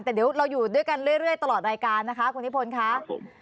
แต่เดี๋ยวเราอยู่ด้วยกันเรื่อยตลอดรายการนะคะคุณนิพนธ์ค่ะ